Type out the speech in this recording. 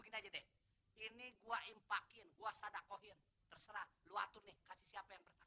gue tinggal dulu lah assalamualaikum